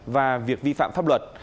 và việc vi phạm pháp luật